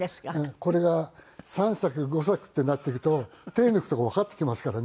これが３作５作ってなっていくと手抜くとこわかってきますからね。